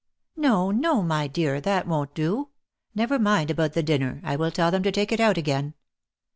" No, no, my dear, that won't do. Never mind about the dinner I will tell them to take it out again."